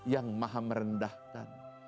yang maha merendahkan